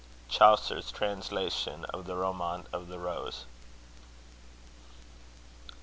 CHAUCER'S translation of the Romaunt of the Rose.